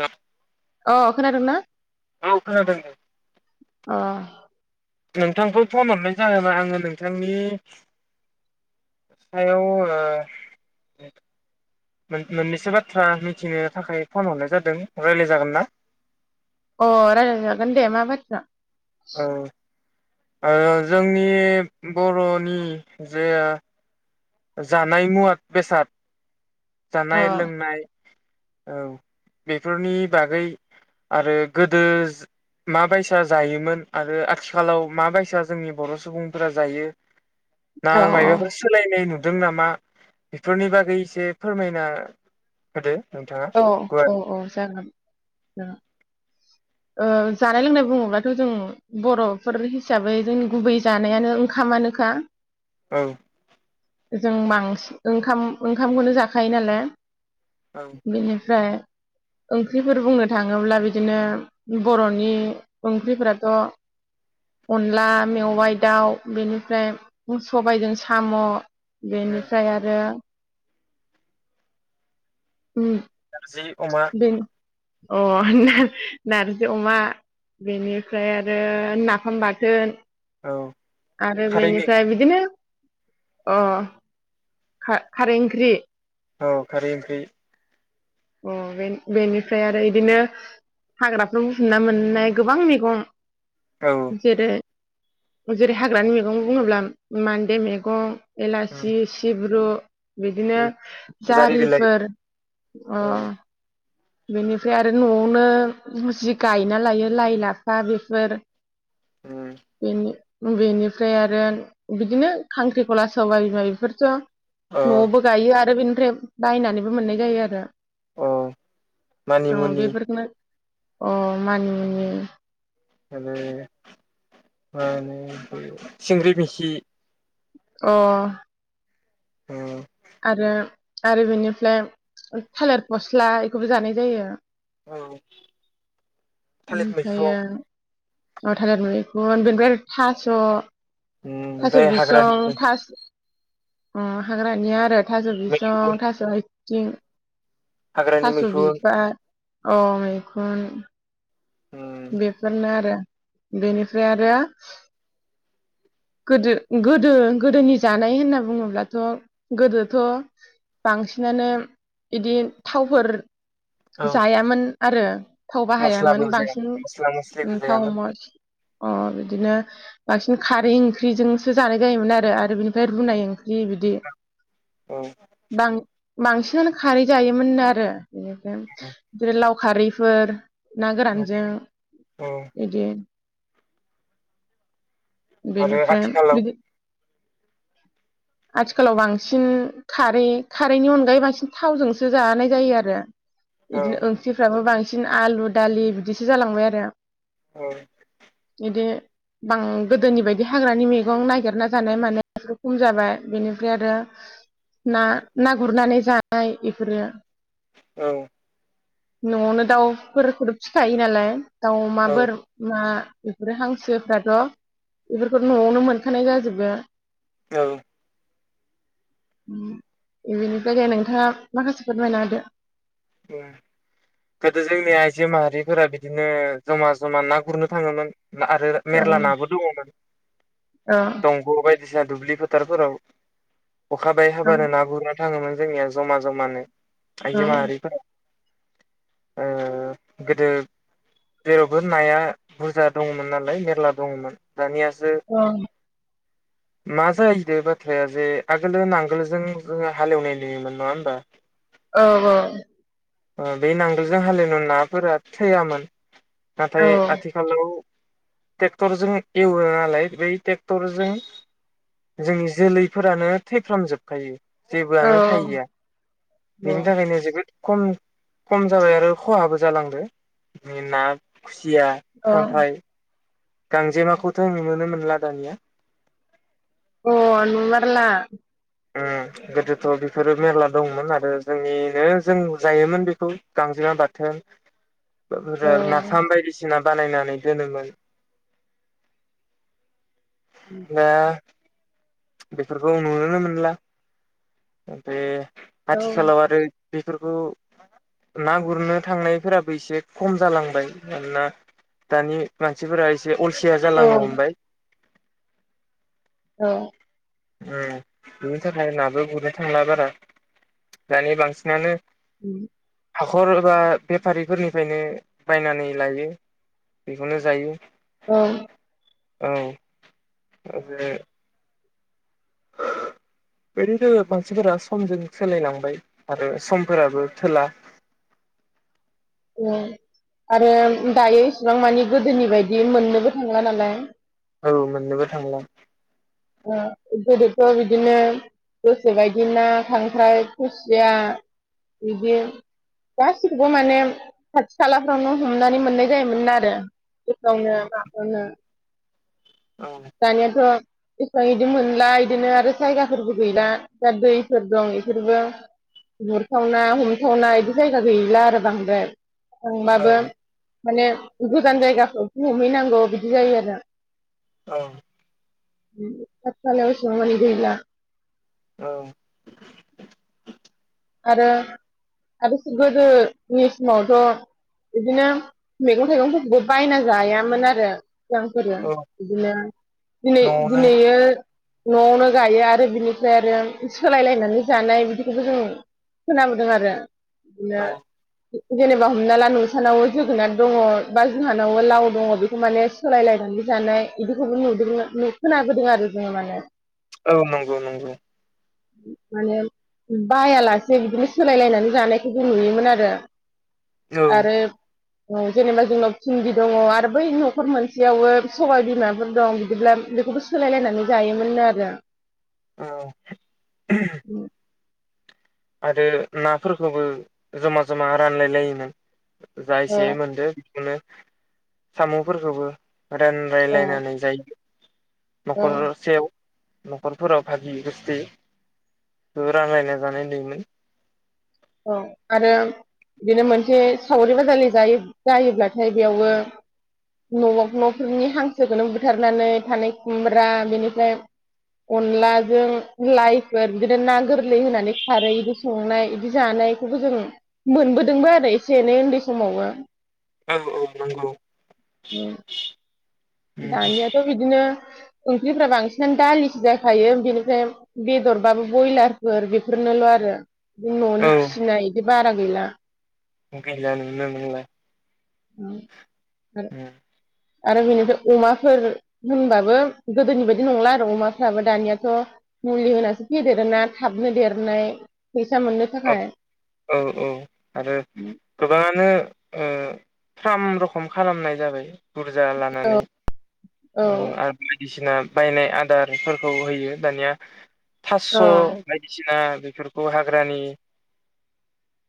ना अ खोनादोंना औखोनादों औ अ नोंथांखौ फन हरनाय जाहोना आङो नोंथांनि सायाव ओ मोननैसो बाथ्रा मिथिनो थाखाय फन हरनाय जादों रायलाय जागोन ना अ रायज्लायजागोन दे मा बाथ्रा ओ जोंनि बरनि जानाय मुवा बेसाद अ जानाय लोंनाय औ बेफोरनि बागै आरो गोदो माबायसा जायोमोन आरो आथिखालाव माबायसा जोंनि बर सुबुंफोरा जायो ना औ माइबाफोर सोलाय नु दों नामा बेफोरनि बागै इसे फोरमायना होदो। औ गुवार औ औ जागोन ओ जानाय लोंनाय बुङोब्लाथ जों बर' फोर हिसाबै जों गुबै जानायानो ओंखामानोखा औ जों बांसिन ओंखाम ओंखामखौनो जाखायो नालाय औ बेनिफ्राय ओंख्रिफोर बुंनो थाङोब्ला बिदिनो बरनि ओंख्रिफोराथ अनला मेवाइ दाउ बेनिफ्राय सबायजों साम नारजि बेनिफ्राय आरो उम नारजि अमा बे अ नारजि अमा बेनिफ्राय आरो नाफाम बाथोन औ आरो खारै मैगं बेनिफ्राय बिदिनो अ खारैओंख्रि औ खारै ओंख्रि अ बे बेनिफ्राय आरो इदिनो हाग्राफ्राव बुफुनना मोननाय गोबां मेगं औ जेरै जेरै हाग्रानि मैगं बुङोब्ला मान्दे मैगं उम एलासि सिब्रु बिदिनो उम जारि बिलाइ जारिफोर अ औ बेनिफ्राय आरो नआवनो जि गायना लायो लाइ लाफा बेफोर औ बेनि बेनिफ्राय आरो बिदिनो खांख्रिखला सबाय बेफोरथ न आवबो गायो आरो बिनि रेब बायनानैबो मोननाय जायो आरो अ औ बेफोरखौनो अ मानिमुनि माने मा होनो सिंग्रि मिखि अ अ आरो आरो बेनिफ्राय थालिर फस्ला इखौबो जानाय जायो औ थालिर मैखुन औ थालिर मैखुन बेनिफ्राय आरो थास' उम थास' ओमफ्राय हाग्रानि बिसं थास अ हाग्रानिया आरो थास' मैखुन बिसं थास' आइ जिं हाग्रानि थास मैखुन बिबार अ मैखुन उम बेफोरनो आरो बेनिफ्राय आरो गोदो गोदो गोदोनि जानाय होनना बुङोब्लाथ' गोदोथ' बांसिनानो इदि थावफोर औ जायामोन आरो थाव बाहायामोन मस्लाबो होजाया बांसिन मस्ला मस्लिबो थाव होजायामोन मस अ बिदिनो बांसिन खारें ओंख्रिजोंसो जानाय जायोमोन आरो बिनिफ्राय रुनाय ओंख्रि बिदि औ बां बांसिनानो खारै जायोमोनो आरो बेनिफाय उम आरो‌ लाव खारैफोर ना गोरानजों औ बिदि आरो होम आथिखालाव बिदि आथिखालाव बांसिन खारै खारैनि अनगायै बांसिन थावजोंसो जानाय जायो आरो औ बिदिनो ओंख्रिफ्राबो बांसिन बिसिन आलु दालि बिदिसो जालांबाय आरो ओं बे बां गोदोनि बायदि हाग्रानि मैगं नागिरना जानाय माने फोर खम जाबाय बेनिफ्राय आरो ना ना गुरनानै जानाय बेफोरो ओं न'आवनो दाउफोरखौथ फिखायो नालाय दाउ अमा औ बोरमा बेफोरो हांसोफ्राथ' बेफोरखौ न'आवनो मोनखानाय जाजोबो ओं ओ बेनिफ्राय नोंथाङा माखासे फोरमायना होदो उ गोदो जोंनिआ आइजो माहारिफोरा बिदिनो जमा जमा ना गुरनो थाङोमोन आरो औ मेरला नाबो दङमोन दंग' बाय दिसिना दुब्लि फोथारफोराव अखा बाय औ हाबानो ना गुर थाङोमोन जोंनिया जमा जमानो औ आयजो औ माहारि ओ गोदो जेरावबो नाया बुरजा दङमोन नालाय मेरला दङमोन दानियासो औ मा जाहैदो बाथ्राया जे आगोल नांगोलजों जोङो हालेवनाय नोयोमोन नङा होमबा औ औ ओ बे नांगोलजों हालेवनायाव नाफोरा थैयामोन नाथाय औ आथिखालाव ट्रेक्टरजों एवो नालाय बै ट्रेक्टरजों जोंनि जोलैफोरानो थैफ्रामजोबखायो औ जेबोआनो थाहैया बेनि थाखायनो जोबोद खम खम जाबाय आरो खहाबो जालांदो ना खुसिया औ अ खांख्राइ गांजेमाखौथ' नुनो नो मोनला दानिया अ नुमारला उ गोदोथ' बेफोरो मेरला दंमोन आरो जोंनिनो जों जायोमोन बेखौ गांजेमा बाथोन औ ओजो‌ आरो नाफाम बायदिसिना बानायनानै दोनोमोन दा बेफोरखौ नोनो नो मोनला ओमफ्राय औ आथिखालाव आरो बेफोरखौ ना गुरनो थांनायफोराबो एसे खम जालांबाय मानोना दानि मानसिफोरा एसे एसे अलसिया औ जालांनो हमबाय औ उ बिनि थाखाय नाबो गुरनो थांला बारा दानि बांसिनानो उम हाखर एबा बेफारिफोरनिफ्रायनो बायनानै लायो बेखौनो जायो औ औ आरो ओरैनो मानसिफोरा समजों सोलायलांबाय आरो समफोराबो थोला उ आरो दायो इसेबां मानि गोदोनि बायदि मोननोबो थांला नालाय औ मोननोबो थांला उ गोदोथ' बिदिनो गोसो बायदि ना खांख्राइ खुसिया बिदि गासिखौबो माने खाथि खालाफ्रावनो हमनानै मोननाय जायोमोन आरो गावनो माखौनो औ दानियाथ एसेबां इदि मोनला बिदिनो आरो जायगाफोरबो गैला दा दैफोर दं बेफोरबो गुरथावना हमथावना इदि जायगा गैला आरो बांद्राय औ थांबाबो माने गोजान जायगाफोरथिं हमहै नांगौ बिदि जायो आरो। औ थालावसाबानि गला [unintelligible] औ आरो आरो गोदोनि समावथ इदिनो मैगं थाइगंफोरखौबो बायना जायामोन आरो मोजांफोरो औ बिदिनो दिनै न'आवनो दिनैयो नआवनो गायो आरो बिनिफ्राय आरो सोलायलायनानै जानाय बिदिखौबो जों खोनाबोदों आरो बिदिनो औ जेनेबा हमना ला नोंसानाव जोगोनार दङ बा जोंहानावबो लाव दङ बेखौ माने सोलायलायनानै जानाय इदिखौबो नुदों खोनाबोदों आरो जोङो माने औ नंगौ नंगौ माने बायालासि जे बिदिनो सोलायलायनानै जानायखौ जों नुयोमोन आरो औ आरो जेनेबा जोंनाव भिनदि दङ आरो बै नखर मोनसेयावबो सबाय बिमाफोर दं बिदिब्ला बेखौबो सोलायलायनानै जायोमोननो आरो औ आरो नाफोरखौबो जमा जमा रानलाय लायोमोन औ जायसेयै मोनदो नो सामफोरखौबो रान औ लायनानै जायो औ नखर सेयाव नखरफोराव भागि गुस्थै ओ रानलायना जानाय नुयो मोन औ आरो बिदिनो मोनसे सावरि बादालि जायो जायोब्लाथाय बेयावबो न नफोरनि हांसोखौनो बुथारनानै थानाय खुमब्रा बेनिफ्राय अनलाजों लाइफोर बिदिनो ना गोरलै होनानै खारै इदि संनाय बिदि जानायखौबो जों मोनबोदोंबो आरो एसे एनै उन्दै समावबो औ औ नंगौ उम दानियाथ बिदिनो ओंख्रिफ्रा बांसिनानो दालिसो जाखायो बेनिफ्राय बेदरबाबो ब्रयलारफोर बेफोरनोल आरो बि ननि फिसिनाय बारा गैला ओंखायनो नोलाय [unintelligible] आरो [unintelligible] आरो बेनिफ्राय अमाफोर होनबाबो गोदोनि बायदि नंला आरो अमाफ्राबो दानियाथ मुलि होनासो फेदेरोना थाबनो देरनाय फैसा मोननो थाखाय औ औ आरो गोबाङानो ओ थाम रखम खालामनाय जाबाय बुरजा लानानै औ आरो बायदिसिना बायनाय आदारफोरखौ होयो दानिया अ फासस' बायदिसिना बेफोरखौ हाग्रानि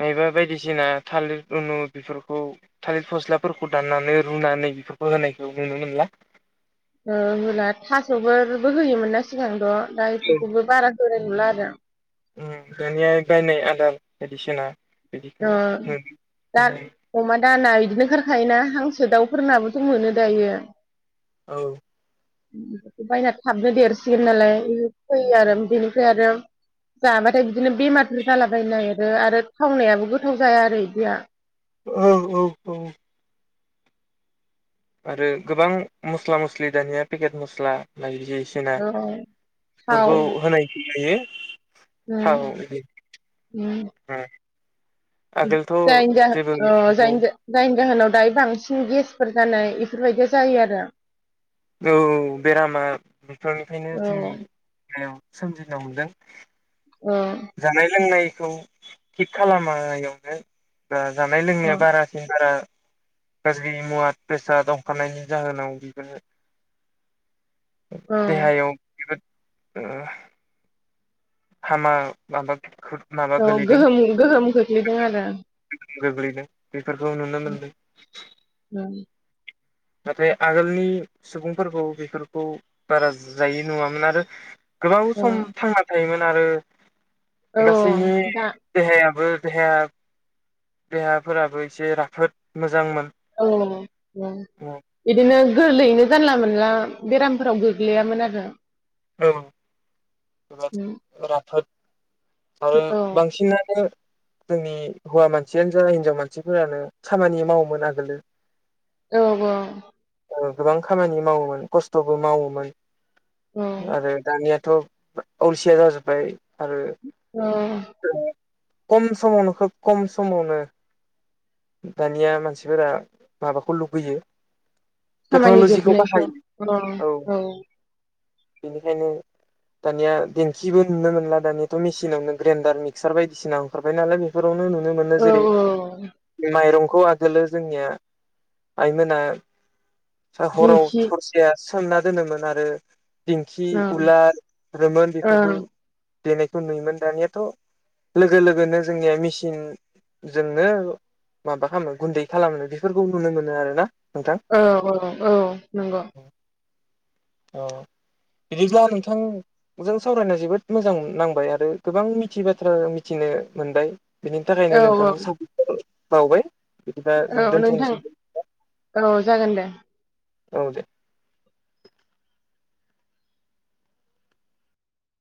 मायबा बायदिसिना थालिर रुनु बेफोरखौ थालिर फस्लाफोरखौ दाननानै रुनानै बेफोरखौ होनायखौ नुनो मोनला [unintelligible] थास'फोरबो होयोमोन ना सिगांथ' गायफोरखौबो बारा [unintelligible] नुला आरो उम दानियाय बायनाय आदार बायदिसिना बिदिखौ अ दा अमानि दाना बिदिनो ओंखारखायोना हांसो दाउफोरनाबोथ' मोनो दायो औ [unintelligible] बायना थाबनो देरसिगोन नालाय फैयो आरो बेनिफ्राय आरो जाबाथाय बिदिनो बेमारबो जालाबायनो नागिरो आरो थावनायाबो गोथाव जाया आरो इदिया औ औ औ आरो गोबां मस्ला मस्लि दानिया पेकेट मस्ला बायदि जायो बायदिसिना औ थाव बेफोरखौ होनाय जायो उम उम थाव [unintelligible] आगोलथ' जेबो मिथिगौ बांसिन गेसफोर जानाय एफोरबायदि जायो आरो औ बेरामा बेफोरनिखायनो औ जोंनि [unintelligible] सोमजिनो मोनदों औ जानाय लोंनाय खौ थिक खालामावनो बा जानाय औ लोंनाया बारासिन बारा गाज्रि मुवा बेसाद दंखानायनायनि जाहोनाव बिफोर औ देहायाव [unintelligible] हामा बाबा [unintelligible] औ गोहोम गोहोम खोख्लैदों आरो गोग्लैदों बेफोरखौ नुनो मोनदों [unintelligible] औ नाथाय आगोलनि सुबुंफोरखौ बेफोरखौ बारा जायि नङामोन आरो गोलाव औ सम थांना थायोमोन आरो औ गासैनि दा देहायाबो देहाया देहाफोराबो एसे राफोद मोजांमोन औ बिदिनो गोरलैयैनो जानला मोनला बेरामफोराव गोग्लैयामोन आरो औ [unintelligible] उम थाब आरो औ बांसिनानो जोंनि हौवा मानसियानो जा हिनजाव मानसिफोरानो खामानि मावोमोन आगोलो औ औ गोबां खामानि मावोमोन खस्थ'बो मावोमोन औ आरो दानियाथ' अलसिया जाजोबबाय औ खम समावनो खोब खम समावनो दानिया मानसिफोरा माबाखौ लुबैयो खामानि जोबनायखौ औ औ बिनिखायनो दानिया देंखिबो नुनो मोनला दानियाथ' मेसिनावनो ग्रेन्दडार मिक्सार बायदिसिना ओंखारबाय नालाय बेफोरावनो नु नुनो मोनो औ जेरै औ माइरंखौ खौ आगोलो जोंनिया आइमोना हराव दिंखि हरसेया सोमना दोनोमोन आरो दिंखि ओं उलार रोमोन बिफोरखौ ओं देनायखौ नुयोमोन दानियाथ' लोगो लोगोनो जोंनिया मेचिनजोंनो माबा खालामो गुन्दै खालामो बेफोरखौ नुनो मोनो आरोना नोंथां औ औ औ नंगौ औ बिदिब्ला नोंथां जों सावरायना जोबोद मोजां नांबाय आरो गोबां मिथियि बाथ्रा मिथिनो मोनबाय बेनि थाखायनो औ औ नोंथांखौ साबायखर बाउबाय औ नोंथां औ जागोन दे औ दे